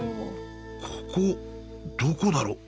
ここどこだろう。